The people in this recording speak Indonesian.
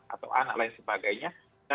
atau anak lain sebagainya